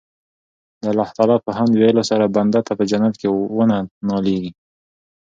د الله تعالی په حمد ويلو سره بنده ته په جنت کي وَنه ناليږي